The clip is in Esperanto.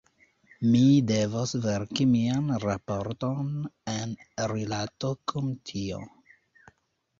Mi devos verki mian raporton en rilato kun tio.